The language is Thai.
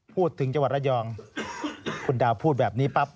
พูดถึงจังหวัดระยองคุณดาวพูดแบบนี้ปั๊บ